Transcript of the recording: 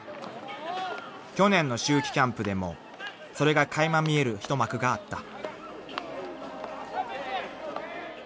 ［去年の秋季キャンプでもそれが垣間見える一幕があった］